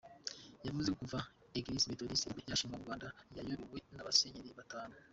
Yavuze ko kuva Église Méthodiste Libre yashingwa mu Rwanda yayobowe n’abasenyeri batanu.